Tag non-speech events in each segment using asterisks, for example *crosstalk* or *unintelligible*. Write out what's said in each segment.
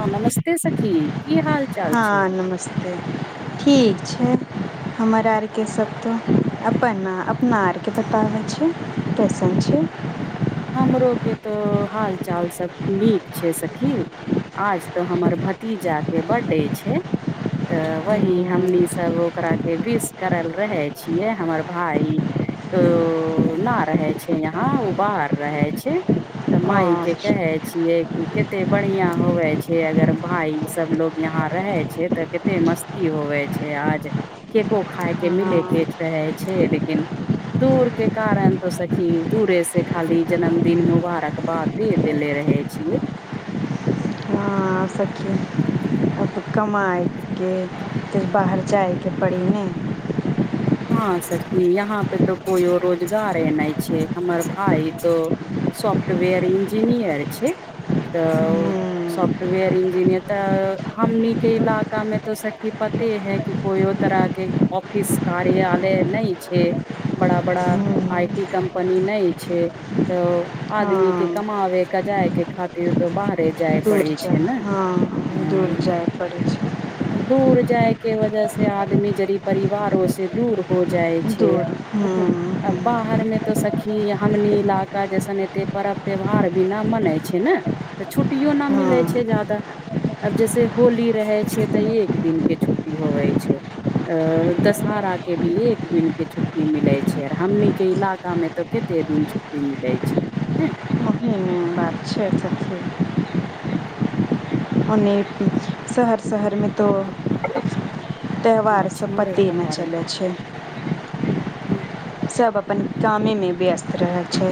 हँ नमस्ते सखी की हाल चाल छै हँ नमस्ते ठीक छै हमर आर केँ सभ तऽ अपन अपना आरके बताबै छी कैसन छै हमरोे के तऽ हाल चाल सब नीक छै सखी आज तऽ हमर भतीजा कऽ बर्थडे छै तऽ वही हमनी सब ओकरा के विस करल रहे छियै हमर भााय नऽ रहे छै यहा ओ बाहर रहे छै तऽ मााय हँ के कहे छै छियै कि कते बढ़िया होवे छै अगर भााय सब लोग यहाँ रहे छै तऽ कते मस्त होवे छै आज केको खाायके मिले के रहै छै लेकिन दूर के कारण तऽ सखी दूरे से खाली जन्मदिन मुबारक बाद दे देेले रहे छियै अहाँ सखी ओतऽ कमाायके तऽ बाहर जाइके पड़ी ने हँ सखी यहाँ पे तऽ कोइो रोजगारे नहि छै हमर भााय तो सॉफ्टवेयर इंजीनियर छै तऽ सॉफ्टवेयर इंजीनियर तऽ हमनी के इलाका में तो सखी पते है कि कोइ ओ तरह कऽ ऑफिस कार्यलय नऽ छै बड़ा बड़ा आई टी कम्पनी नहि छै तऽ आदमी कऽ हँ कमाबे कजए के खातिर तो बाहरे जाय दूर पड़ै जा छै ने हँ दूर ह जाइ पड़ै छै दूर जायके वजह से आदमी जरी परिवारो से दूर हो हो जाइ छै दूर हँ बाहर मे तो सखी हमनी इलका जैसन एते पर्व त्योहार भी नऽ मनाइ छै नऽ तऽ छुट्टियो नऽ मिलै छै हँ ज्यदा। आब जैसे होली रहै छै तऽ एक दििन कऽ छुट्टी होवै छै अ दस दसहारा के भी एक दिन के छुट्टी मिले छैर हमनी के इलाका में ते कते दिन छुटी मिले छै नऽ अच्छा अच्छा ठिक *unintelligible* ओने शहर शहरमे *unintelligible* तऽ त्यौहारसँ अच्छा पते देखा नऽ पार चलै छै। सब *unintelligible* अपन कामेमे व्यस्त रहै छै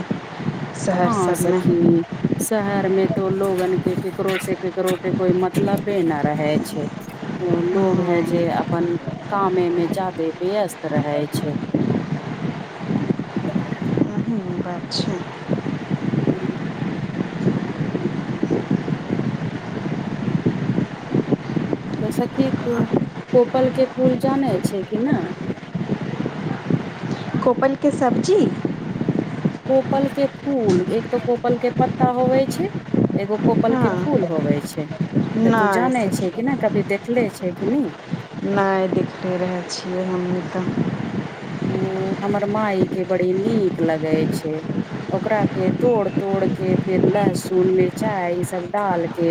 शहर हँ सबमे। सखी शहर में तो लोगन कऽ केकरो से केकरो के कोई मतलबे न रहे छै। लोग हां है जे अपन कामे में ज्यदे व्यस्त रहे छै। अहीी बात छै *unintelligible* *unintelligible* *unintelligible* सखी कोपल के फूल जानै छै कि नहि? कोपलके सब्जी? कोपल के फूल एक तऽ कोपल के पत्ता होवे छै। एगो कोपल कऽ हां फूल होवे छै। तऽ तू नै जानै छ कि नहि कभी देखले छै कि नहि। नहि देखखलने रहै छियै हमूँ तऽ। हू हमर मााय के बड़ी नीक लगै छै। ओकरा के तोड़ तोड़ के फेर लहसुन मिरचाइ ई सब डालके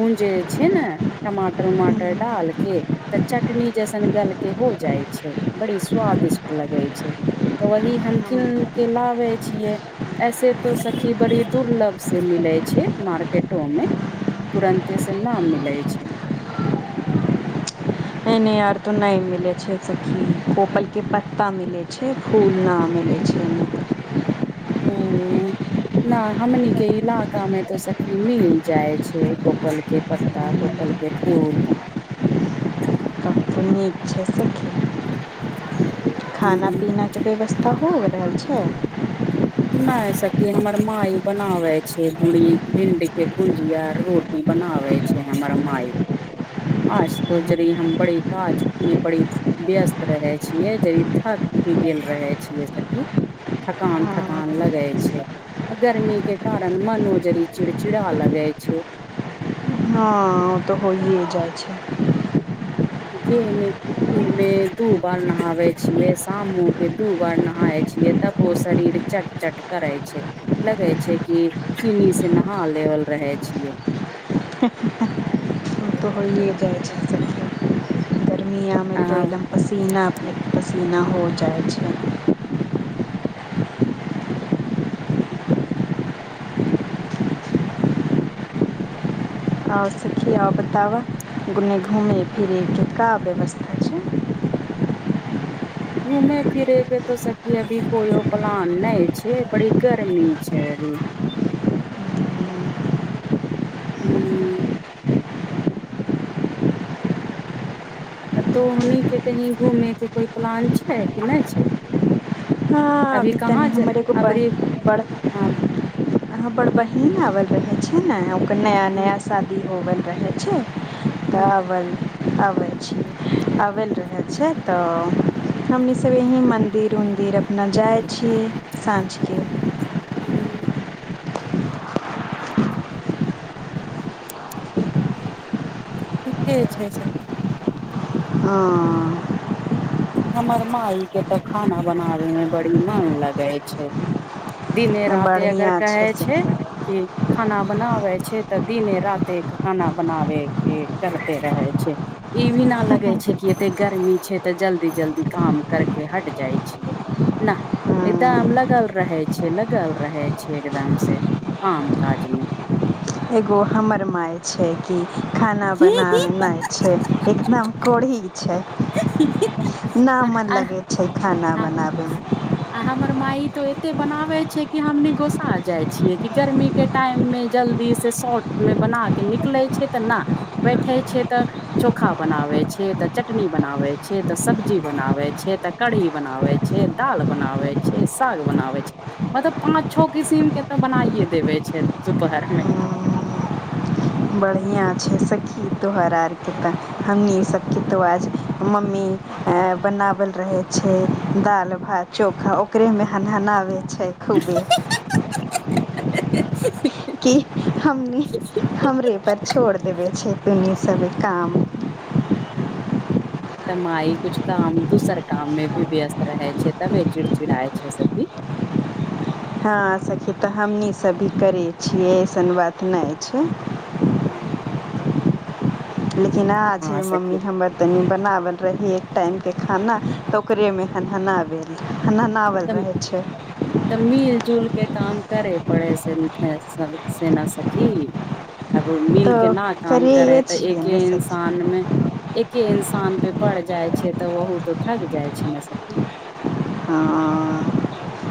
गुनजे छै नऽ टमाटर उमाटर डालके। तऽ चटनी जैसन गलके हो जाइ छै बड़ी स्वादिष्ट लगै छै। तऽ वही हम कीन कऽ लाबै छियै। ऐसे तो सखी बड़ी दुर्लभ से मिले छै मार्केटो में। तुरन्ते स न मिलै छै। एने आर तऽ नहि मिलैत छै सखी पोपल केँ पत्ता मिलै छै। फूल ना मिले छै एनै *unintelligible* न हमनी केँ इलाका मे तऽ सखी मिल जाय छै कपोल केँ पात पत्ता कोपल केँ फूल *unintelligible* खाना पीना कऽ व्यवस्था हो रहल छै। नै सखी हमर माई बनावे छै भिंडी केँ भुजिया रोट ई बनाबै छै हमरा माइ आज तो जरी हम बडी काज म बड़ी व्यस्त रहै छियै जरी थाक भी गेल रहै छियै सखी थकान हां थकान हां लगै छै। गर्मी कें कारण मनो जरी चिड़चिड़ा लगे छै। हँ ओ तऽ होइए जाइ छै। जे मे कि दिन मे दू बार नहाबे छिये शामो केँ दू बार नहाय छिये। तबो शरीर चट चट करै छै। लगे छै कि चीनी से नहा लेवल रहे छियै। *unintelligible* तऽ होइ जाइ छै सबके गर्मियामे आ तऽ एकदम पसीना अपने पसीना हो जाइ छै। आओ सखी आउ बताब घुमै फिरै कऽ का व्यवस्था छै। घूमे फिरे कऽ तो सखी अभी कोइय प्लान नहि छै बड़ी गर्मी छै अभी। *unintelligible* तोहनी केँ कही घूमे केँ कोई प्लान छै कि नैछै। *unintelligible* हमर अबरी हँ बहीन आब बला छै नै ओकर नया हूं नया। शादी होवल रहै छै तऽ हूं आबल अबै छी। आबल रहै छै तऽ हमनी सब यही मन्दिर उन्दिर न जाइ छी। साँझके *unintelligible* ठीके छै सखी *unintelligible* हमर मार केँ तऽ खाना बनाबे मे बड़ी मन लगे छै। दिने राते अगर बढ़िआँ कहै छै सखी कि। खाना बनाबै छै तऽ दिने राते खाना बनाबे केँ करते रहै छै। ई भी ना लगे छै कि एते गर्मी छै तऽ जल्दी। जल्दी जल्दी काम करके हट जाइ छीऐ। ना एकदम हँ लगल रहै छै लगल रहै छै एकदम से। काम काज मे। एगो हमर माइ छै कि खाना बनाबना नै छै एकदम कोढ़ी छै। *inaudible* ना मन आर लगे छै खाना बनाबे मे। आ हमर माइ तऽ एते बनावे छै कि हमनी गोसा जाय छ छियै कि गर्मी केँ टाइम मे जल्दी से शॉर्ट मे बना केँ निकले छै तऽ ना बैठे छिये त चोखा बनावे छिये त च टनी बनावे छै ते सब्जी बनावे छै ते कढ़ी बनावे छै दाल बनावे छै साग बनाबै छै मतलब पाँच छओ किसिम के तऽ बनाइे देबे छै दुपहर मे बनाबैमे बढ़िआँ छै सखी तोहर आरके त हमनी सबके तो आज मम्मी बनावल रहै छै दाल भात चोखा ओकरेमे हनहना आबैत छै। *unintelligible* की हमनि हमरे पर छोड़ देबे छै दुन्नि सब काम *inaudible* त माइ कुछ काम दोसर काम मे भी व्यस्त रहै छै तबे चिड़चिड़ाय छै सखी हँ सखी त हमनी सब भी करै छियै ऐसन बात नहि छै। *inaudible* लेकिन अहाँ हँ छै सखी मम्मी हमर तनी बनावत रहिये एक टाइम के खाना तऽ ओकरे मे हन हनाबे हन हनावल रहै छै त मिल जुलके काम करे पड़े से थे से ना सखी। *inaudible* आब तऽ मिलके न काम करै करिये ह तऽ छियै एके ने सखी इंसान मे एके इंसान पे पड़ जाय छै तऽ ओहू तो थक जाय छै ने सखी हँ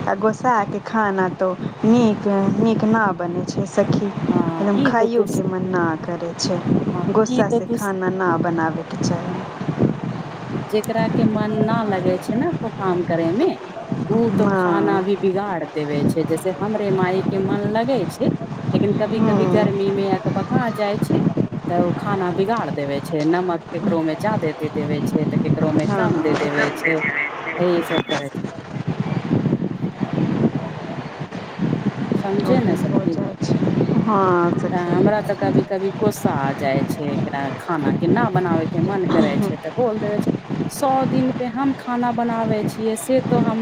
आ गोसाइ के खाना तो नीक नीक ना बने छै सखी। हँ एकदम ई तो तू खाइयो के मन न करै छै हँ ई गोस्सा तो से तू खाना। ना बनाबै के चाही। ह जेकरा के मन न लगे छै ने को काम करे मे। ओ त खाना हँ भी बिगाड़ देबे छै जैसे हमरे माय के मन लगे छै। लेकिन कभी कभी हँ गर्मी मे अकबका जाइ छै। त ओ खाना बिगाड़ देवे छै नमक केकरों मे जादे। दे देबे छै त केकरो मे हँ कम दे देवे छै यह सब करै छै। समझे ओही न हो सखी। जाइ छै हँ तें सखी हमरा त कभी कभी गोस्सा आ जाइ छै एकरा खाना केना बनाबे के मन करे छै त बोल देबे छै। सौ दिन पे हम खाना बनाबै छियै से त हम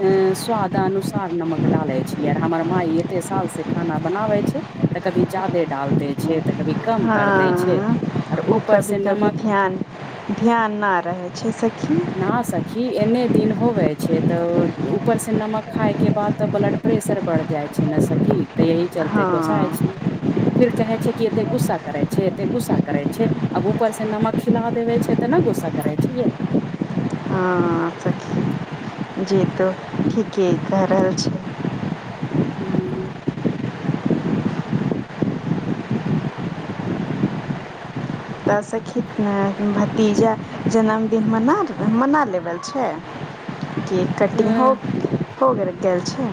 तें स्वादनुसार नमक डाले छी हमर माय एते साल से खाना बनावे छै त कभी जादे डाल दे छै त कभी कम कर दै छै हँ आर ओ ऊपर कभी से कभी नमक ध्यान ध्यान न रहय छै सखी ना सखी एन्ने दिन होबे छै त ऊपर सँ नमक खााय के बाद त ब्लड प्रेशर बढ़ जाय छै ने सखी त यही हँ चलते गोसाय छै फिर कहै छै कि एते गुस्सा करै छै एते गुस्सा करै छै आब ऊपर से नमक खिला देबे छै त ने गुस्सा करै छियै हँ सखी जे त ठीके क रहल छी हूँ त सखी भतीजा जन्मदिन मना मना लेबल छै केक कटिंग हो होगल छै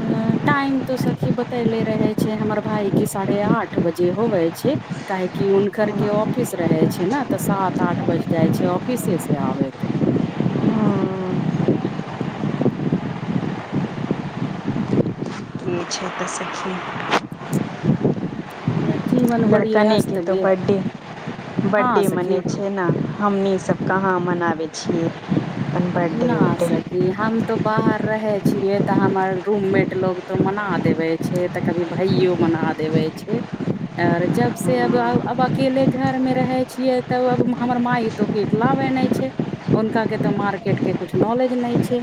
टाइम तो सखी बतले रहे छै हमर भाय कऽ साढ़े आठ बजे होवे छै। काहेकि हुनकर हम्म, केँ ऑफिस रहे छै न तऽ सात आठ बज जाय छै ऑफिसे से आबे पे। *unintelligible* *unintelligible* लड़कनै केँ अस्त तऽ बे बर्थडे हँ बर्थडे मने सखी छै ना हमनी सब कहाँ मनाबै छियै बर्थडे ना उर्डे सखी हम तो बाहर रहे छिये तऽ हमर रूममेट लोग तो मना देवे छै। तऽ कभी भाइयो मना देबे छै। और जब से अब हम्म, अब अकेले घर में रहे छीयै तब अब हमर मा तो केक लाबै नै छै हुनका केँ तऽ मार्केट केँ कुछ नॉलेज नै छै।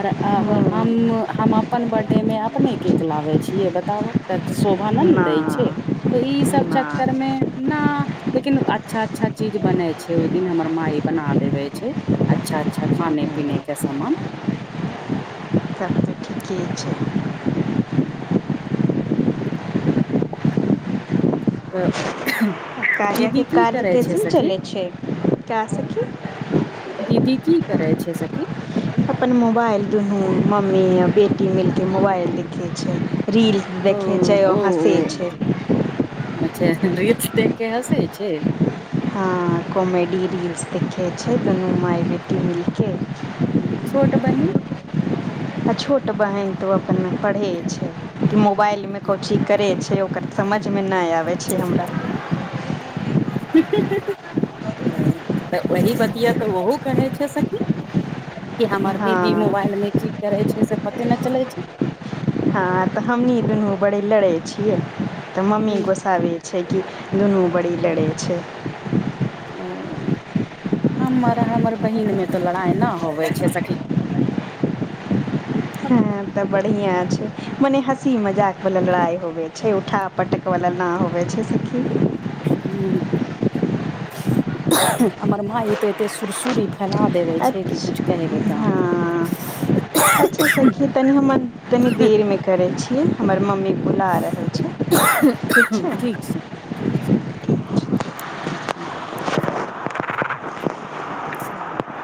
आर आब हम हूँ हम अपन बर्थडे मे अपने केक लाबै छियै बताबऽ। तऽ शोभा न नै दै छै नहि तऽ ई सब चक्कर नहि मे ना लेकिन अच्छा अच्छा चीज बनै छै ओ दिन हमर माइ बना देवे छै अच्छा अच्छा खाने पीने केँ समामान। *unintelligible* तऽ आ *inaudible* दीदी कार्याके की कार्य करै छै कैसन सखी। *inaudible* चलै छै कै सखी दीदी की करै छै सखी। अपन मोबाइल दुनू मम्मी आ बेटी मिल केँ मोबाइल देखइ छै। रील ओ देखै छै ओ और हँसै ओ छै अच्छा रील्स देख केँ हँसै छै। हँ कॉमेडी रील्स देखै छै दुनू माय बेटी मिल केँ *inaudible* छोट बहिन। आ छोट बहन तऽ अपन पढ़ै छै कि मोबाइलमे को चीज करै छै ओ समझमे नै आबै छै हमरा। *unintelligible* *inaudible* ओही बत तऽ ओहो कहै छै सखी। कि हमर दीदी हँ मोबाइल में की करे छै से पते नै चले छै। ह तऽ हमनी दुनू बड़े लड़े छीयै तऽ मम्मी गोसा बे छै कि दुनू बड़ी लड़ै छै। ओ *inaudible* हमर हमर बहिनमे तऽ लड़ाइ नहि होबै छै सखी तऽ बढ़िया छै मने हँसी मजाक वाल लड़ाई होवे छै उठ पटकवला ना होबै छै सखी। *unintelligible* हमर माई तऽ एते सुरसुर ई फैला देबे छै कि अच्छा कुछ कहे केँ काम हँ अच्छा सखी तनि हम तनि देरमे करै छियै हमर मम्मी बुला रहल छै ठीक छै ठीक छै सखी *inaudible* ठीक *inaudible*